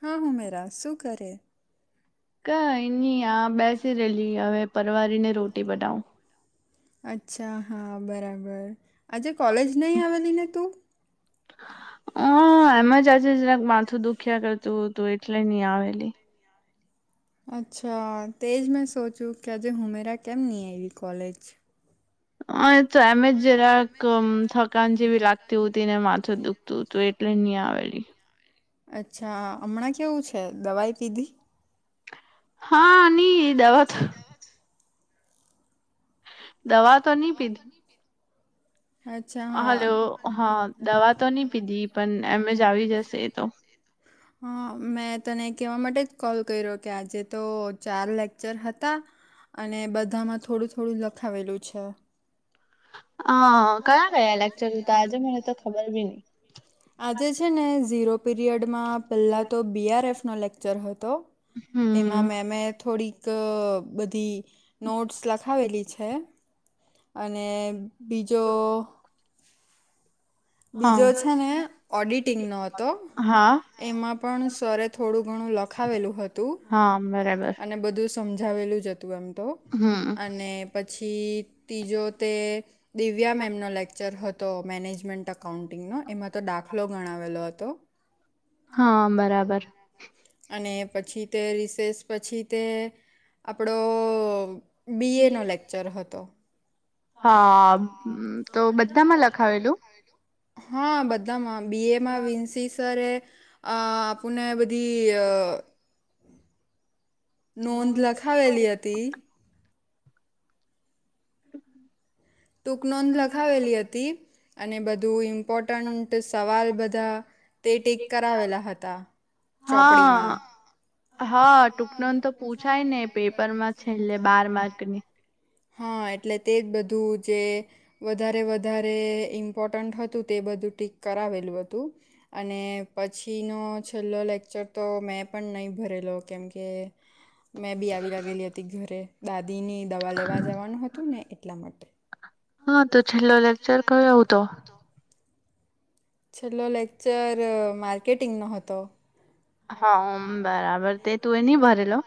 હા, હુંમેરા શું કરે? ક નહી, આ બેસી રહેેલી હવે પરવારીને રોટી બનાવ. અચ્છા હા બરાબર. આજે કોલેજ નહી આવેલી ને તું! હ એમ જ આજે જરાક માથું દુખ્યા કરતું તું એટલે ની આવેલી. અચ્છા તેજ મેં સોચ્યું કે આજે હુંમેરા કેમ નહી આયવી કોલેજ. અ એ તો એમ જ જરાક થકાન જેવી લાગતી ઉતી ને માથુ દુઃખ તું તો એટલે નહી આવેલી. અચ્છા હમણાં કેવું છે? દવાઈ પીધી? હા ની દવાત દવા તો નહી પીધી. અચ્છા હા હલો હા દવા તો નહી પીધી પણ એમ જ આવી જશે એ તો. [unintelligible] હ મેં તને કહેવા માટે જ કોલ કર્યો કે આજે તો ચાર લેકચર હતા. અને બધામાં થોડું થોડું લખાવેલું છે. હ કયા કયા લેકચર ઉતા? આજે મને તો ખબર ભી નઈ. આજે છે ને ઝીરો પીરિયડમાં પહેલાં તો બી આર એફ નો લેક્ચર હતો હમ એમાં મેમે થોડીક તો બધી નોટ્સ લખાવેલી છે, અને બીજો બીજો હા. છે ને ઓડિટિંગનો હતો. હા એમાં પણ સરે થોડું ઘણું લખાવેલું હતું. હા બરાબર. અને બધું સમજાવેલું જ હતું એમ તો હમ. અને પછી ત્રીજો તે દિવ્યા મેમનો લેક્ચર હતો, મેનેજમેન્ટ અકાઉન્ટિંગનો એમાં તો દાખલો ગણાવેલો હતો. હા બરાબર. અને પછી તે રિસેસ પછી તે આપણો બી એ નો લેક્ચર હતો. હા [unintelligible] તો બધામાં લખાવેલું લખાવેલું હા બધામાં બીએ માં વીન સી સરે અ આપુને બધી અ નોંધ લખાવેલી હતી. ટૂંકનોંધ લખાવેલી હતી. અને બધું ઇમ્પોર્ટન્ટ સવાલ બધા તે ટીક કરાવેલા હતા [unintelligible] ચોપડીમાં. હા હા ટૂંકનોધ તો પૂછાય ને પેપરમાં છેલ્લે બાર માર્ક ની હા એટલે તેજ બધું જે વધારે વધારે ઇમ્પોર્ટન્ટ હતું તે બધું ટીક કરાવેલું હતું. અને પછીનો છેલ્લો લેક્ચર તો મેં પણ નહીં ભરેલો કેમકે મેં બી આવી લાગેલી હતી ઘરે દાદીની દવા લેવા જવાનું હતું ને એટલા માટે. હા તો છેલ્લો લેકચર કયો ઉતો. છેલ્લો લેક્ચર અ માર્કેટિંગ નો હતો. હા ઓમ બરાબર તે તું એ ની ભરેલો.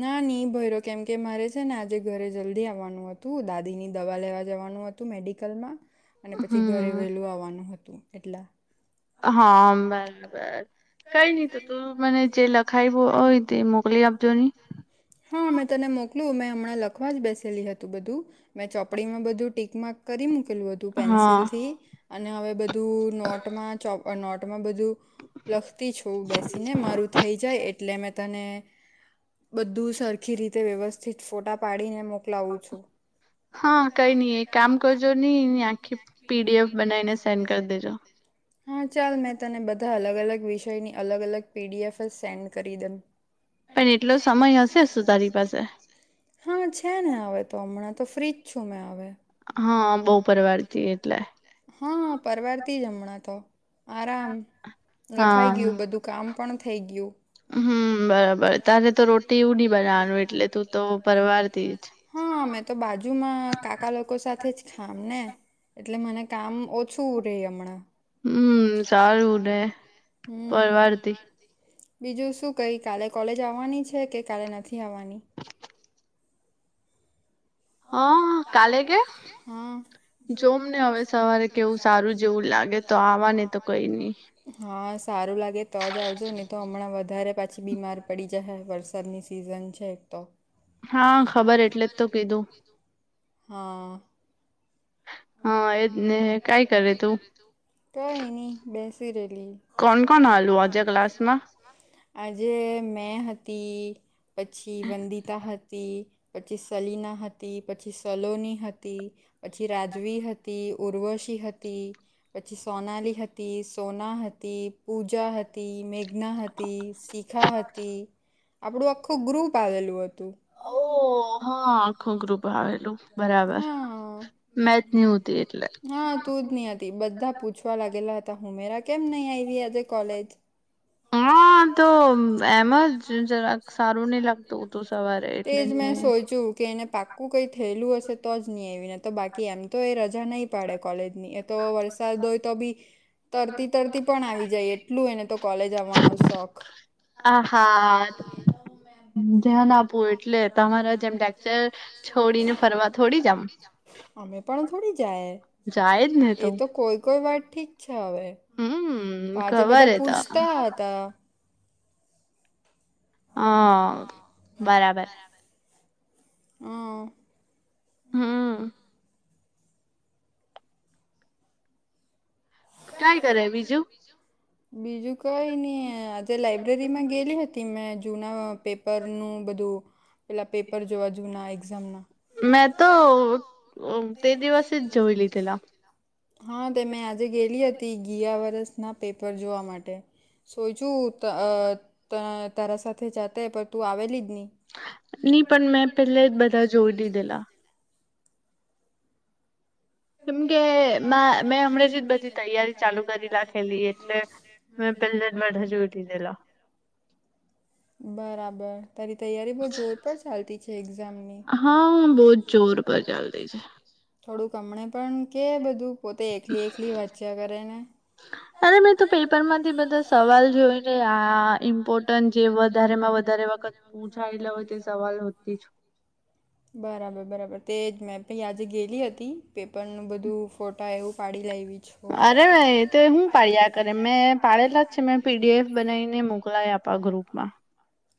ના ની ભઈરો કેમ કે મારે છે ને આજે ઘરે જલ્દી આવવાનું હતું દાદી ની દવા લેવા જવાનું હ તુ મેડિકલમાં અને પછી ઘરે હમ વહેલું આવવાનું હતું એટલા. હા આમ બરાબર. કઈ નઈ તો તું મને જે લખાયવુ હોય તે મોકલી આપજો ની. હા મેં તને મોકલુ મેં હમણાં લખવા જ બેસેલી હતું બધું મેં ચોપડીમાં બધું ટીક માક કરી મૂકેલું હત તુ હા પેન્સિલ થી અને હવે બધું નોટમાં ચોપ અ નોટમાં બધ ધુ લખતી છું બેસીને મારું થઈ જાય એટલે મે ત ને બધું સરખી રીતે વ્યવસ્થિત ફોટા પાડીને મોક કલાવું છું. હા કઈ ની એક કામ કરજો ની એની આખી પીડીએફ બનાવીને સેન્ડ કર દેજો. હા ચાલ મેં તને બધા અલગ અલગ વિષ ષય ની અલગ અલગ પીડીએફ જ સેન્ડ કરી દેમ. પણ એટલો સમય હશે શું તારી પાસે? હા છે ને હવે તો હમણાં તો ફ્રીજ છું મેં હવે. હા બોહ પરવારથી એટલે. હા પરવારતી જ હમણાં તો આરામ ખાઈ હા. ગયું બધું કામ પણ થઈ ગયું. હમ બરાબર તારે તો રોટી એવુ ની બનાવાનું એટલે તું તો પરવારતી જ. હા મે તો બાજુમાં કાકા લોકો સાથે જ ખામ ને એટલે મને કામ ઓછું રે હમણાં. હમ્મ સારું રે. હમ્મ. [unintelligible] બીજું શું કહી કાલે કોલેજ આવવાની છે કે કાલે નથી આવવાની. હા કાલે કે હા જોમ ને હવે સવારે કેવું સારું જેવું લાગે તો આવા ને તો કઈ ની. હા સારું લાગે તો જ આવજો ની તો હમણાં વધારે પાછી બીમાર પડી જાહે વરસાદની સિઝન છે એક તો. હા ખબર એટલે જ તો કીધું હ હા એજ ને કાઈ કરે તું કાઈ નહીં બેસી રેલી કોણ કોણ હાલુ આજે ક્લાસ માં આજે મેં હતી પછી વંદિતા હતી પછી સલીના હતી પછી સલોની હતી પછી રાધા વી હતી ઉર્વશી હતી. પછી સોનાલી હતી સોના હતી પૂજા હતી મેઘના હત તી શીખા હતી આપણું આખું ગ્રુપ આવેલું હતું. ઓ હા આખું ગ્રુપ આવેલું [inaudible] બરાબર હા મેચ ની હોતી એટલે [unintelligible] હા તું જ ની હતી બધા પૂછવા લાગેલા હતા હુમેરા કેમ નહી આવી આજે કોલેજ [inaudible] હા તો એમજ જરાક સારું નહીં લાગતું તું સવારે તે એટલે જ મેં સોચ્યું કે એને પાક્કું કંઈ થયેલું હશે તો જ નહીં આવી નહીં તો બાકી એમ તો એ રજા નહીં પાડે કોલેજની એક તો વરસાદ હોય તો ભી તરતી તરતી પણ આવી જાય એટલું એને તો કોલેજ આવવાનો શોખ. આ હા ધ્યાન આપવું એટલે તમારા જેમ લેકચર છોડી ને ફરવા થોડી જાવું. અમે પણ થોડી જાય જાય જ ને એ તો કોઈ કોઈ વાર ઠીક છે, હવે તો હમ આજે ખબર બધા એ તો પૂછતા હતા. અ બરાબર બરાબર અ હ કાઈ કરે બીજું બીજું કઈ ની આજે લાઈબ્રેરીમાં ગેલી હતી મેં જૂના પેપ પરનું બધું પેલા પેપર જોવા જુના એક્ઝામના મેં તો તે દિવસે જ જોય લીધેલા હા, તે મેં આજે ગેલી હતી ગિયા વર્ષના પેપર જોવા માટે સોચૂ તો અ તારા સાથે જાતે પણ તું આવેલી જ નહીં. ની પણ મેં પેલે જ બધા જોઈ દીધેલા કેમકે માં મેં હમણે થી જ બધી તૈયારી ચાલુ કરી રાખેલી એટલે મે પેલે જ બારથી જોઈ લીધેલા બરાબર તારી તૈયારી બહુ જોર પર ચાલતી છે, એક્ઝામની હા બહુ જ જોર પર ચાલતી છે. થોડુંક હમણે પણ કે બધું પોતે એકલી એકલી વાંચ્યા કરે ને અરે મેં તો પેપર માંથી બધા સવાલ જોઈ ને આ ઇમ્પો ટેન જે વધારે માં વધારે વખત પૂછાયેલા તે સવાલો પર બરાબર બરાબર તે જ મેં પી આજે ગયે લી હતી પેપરનું બધું ફોટા એવું પાડી લાઇ વી છું અરે એ તો હું પાડ્યા કરે મેં પાડેલા જ છે મેં પીડીએફ બનાવીને મોકલાયા આપણા ગ્રુપ માં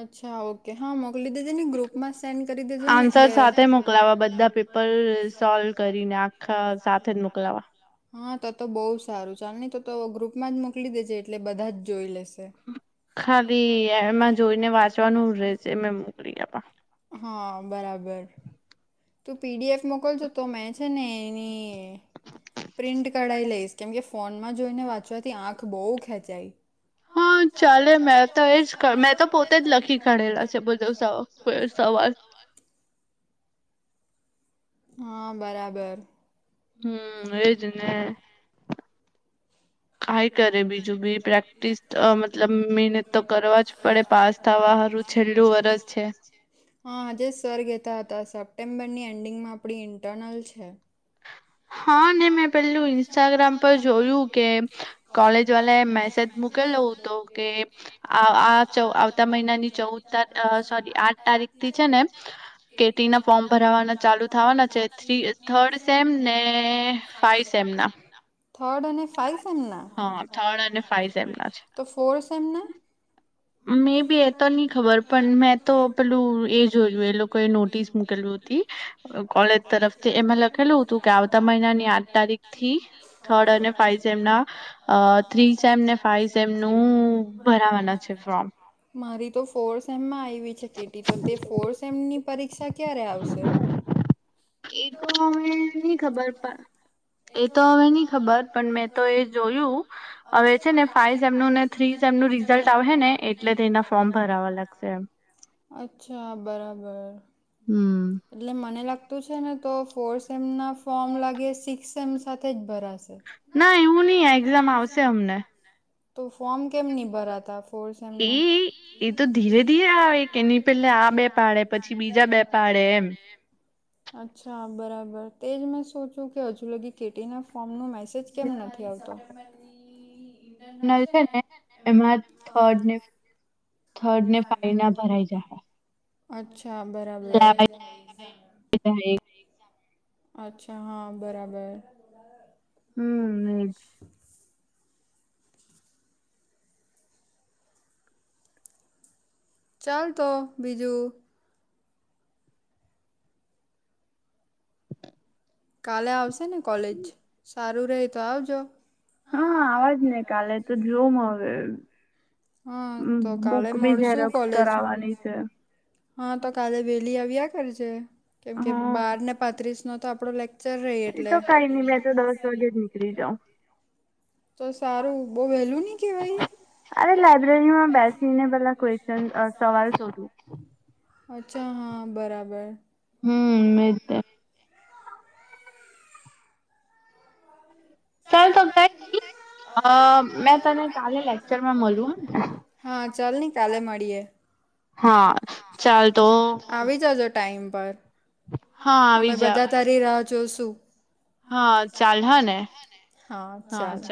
અચ્છા ઓકે હા મોકલી દેજે ને ગ્રુપમાં સેન્ડ કરી દેજે ને સર એટલે સાથે મોકલાવા બધા પેપર સોલ્વ કરીને આખા સાથે જ મોકલાવા હા તો તો બહુ સારું ચાલ નહી તો તો ગ્રુપમાં જ મોકલી દેજે એટલે બધા જ જોઈ લેશે. ખાલી એમાં જોઈને વાંચવાનું રેહશે મે મોકલી આપા. હ બરાબર તું પીડીએફ મોકલજો તો મેં છે ને એની પ્રિન્ટ કઢાવી લઈશ. કેમ કે ફોનમાં જોઈને વાંચવાથી આંખ બહુ ખેંચાઈ. હા ચાલે મેં તો એજ ચાલે મેં તો પોતે જ લખી કાઢેલા છે બધો સર સવાલ [unintelligible] હા બરાબર. હમ્મ એજ ને. કાઈ કરે બીજું બી પ્રેક્ટિસ અહ મતલબ મેંહનત તો કરવા જ પડે પાસ આસ થવા તમારું હારું છેલ્લું વરસ વર્ષ છે. હા આજે સર ગેતા હતા સપ્ટેમ્બરની એન્ડિંગમાં આપડી ઇન્ટરનલ છે. હા ને મેં પેલું ઇન્સ્ટાગ્રામ પર જોયું કે કોલેજ વાલા એ મેસેજ મૂકેલો તો કે આ આવતા મહિનાની ચૌદ અહ સોરી આઠ તારીખ થી છે ને કેટી ના ફોર્મ ભરવાના ચાલુ થવાના છે થર્ડ સેમ ને ફાઈવ સેમ ના થર્ડ અને ફાઈ સેમ ના? હા થર્ડ અને ફઇ સેમનાજ. તો ફોર સેમના? મેં બી એ તો ખબર પણ મેં તો પેલું એ જોયું એ લોકોએ નોટિસ મુકેલ્યું હતી. કોલેજ તરફથી એમે લખેલું હતું કે આ આવતા મહિની ની આઠ તારીખ થી અને third and five five sem ના અહ થ્રી સા ફઇઝ સેમનું ભરાવાના છે ફોર્મ. મારી તો ફોર્ સેમમાં આવી છે કેટી તો તે ફોર્ સેમની પરીક્ષા ક્યારે આવશે? એ તો હવે નહી ખબર પર એ તો હવે નહી ખબર પણ મેં તો એ જોયું હવે છે ને ફાઈઝ સેમનું ને થ્રી સેમનું રિઝલ્ટ આવશે ને એટલે એના ફોર્મ ભરાવા લાગશે એમ. અચ્છા બરાબર હમ એટલે મને લાગ તું છે ને તો ફોર સેમના ફોર્મ ના લાગે સિક્સ સેમ સાથે જ ભરાશે ના એવું નહી એક્ઝામ આવશે અમને. તો ફોર્મ કેમ ની ભરાતા ફોર સેમના? એ એ તો ધીરે ધીરે આવે કે નહી પેલા આ બે પાડે પછી બીજા બે પાડે એમ [unintelligible] અચ્છા બરાબર તેજ મેં સોચ્યું કે હજુ લગી કેટીના ફોર્મનું મે સેજ કેમ નથી આવતો. નલ છે ને [inaudible] હર્ડ ને ફઇ ના ભરાઈ જાય. અચ્છા બરાબર. અચ્છા હા બરાબર. હમ્મ એજ. ચાલ તો બીજું [inaudible] કાલે આવશે ને કોલેજ? સારું રહે તો આવજો. હા આવાજ ને કાલે તો જોમ હવે હા તો કાલે બુક બી મળશુ ઝેરોક્સ કોલેજમાં. કરાવવાની છે હા તો કાલે વહેલી આવ્યા કરજે કેમ કે હા બાર ને પાંત્રીસ નો તો આપડો લેક ચર રહી એટલે. ઘેર નીકળી જાઓ. તો સારું બો વહેલું નહીં કેવાય એ? અરે લાઈબ્રેરીમાં બેસી ને પેહલા ક્યુસ્શન અહ સવાલ સીધું. અચ્છા હા બરાબર હમ્મ મીડતે. ચાલ તો કઈ મેં તને કાલે લેક્ચરમાં મલુ હા. હા ચાલ ની કાલે મળીએે. હા ચાલ તો આવી જજે. ટાઈમ પર હા હ આવી અમે જા બધા તારી રાહ જોશું. હા ચાલહે ને? હા ચાલ.